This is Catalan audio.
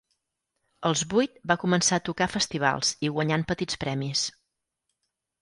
Als vuit va començar a tocar a festivals i guanyant petits premis.